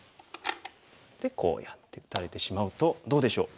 でこうやって打たれてしまうとどうでしょう？